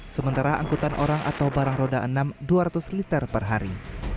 sementara angkutan orang atau barang roda enam dua ratus liter per hari